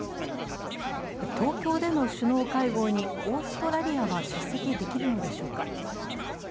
東京での首脳会合にオーストラリアは出席できるのでしょうか。